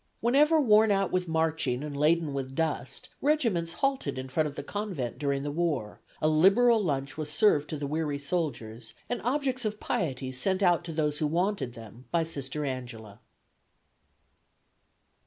Whenever worn out with marching and laden with dust, regiments halted in front of the Convent during the war, a liberal lunch was served to the weary soldiers, and objects of piety sent out to those who wanted them by Sister Angela."